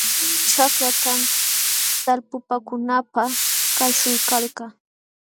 Ćhaklatam talpupaakunaapaq kaśhuykalkaa.